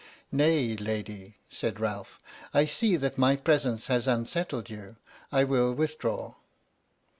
" Nay, lady," said Ralph, " I see that my presence has unsettled you — I will withdraw."